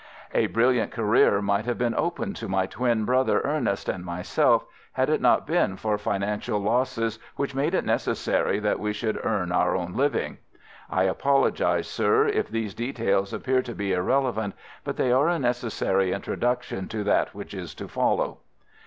A brilliant career might have been open to my twin brother Ernest and myself had it not been for financial losses which made it necessary that we should earn our own living. I apologize, sir, if these details appear to be irrelevant, but they are a necessary introduction to that which is to follow.